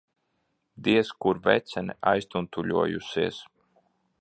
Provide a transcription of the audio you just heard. Diez kur vecene aiztuntuļojusies.